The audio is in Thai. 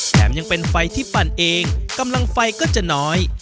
แถมยังเป็นไฟที่ปั่นเองกำลังไฟก็จะน้อย